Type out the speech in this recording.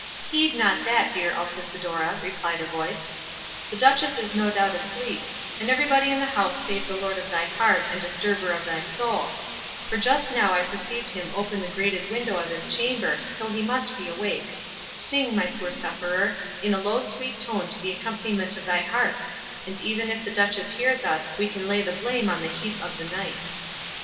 "Heed not that, dear Altisidora," replied a voice; "the duchess is no doubt asleep, and everybody in the house save the lord of thy heart and disturber of thy soul; for just now I perceived him open the grated window of his chamber, so he must be awake; sing, my poor sufferer, in a low sweet tone to the accompaniment of thy harp; and even if the duchess hears us we can lay the blame on the heat of the night."